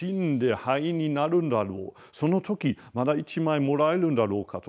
その時また１枚もらえるんだろうかと。